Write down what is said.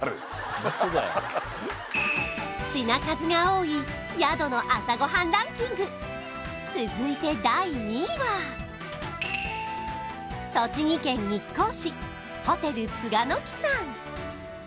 品数が多い宿の朝ごはんランキング続いて第２位は栃木県日光市ホテル栂の季さん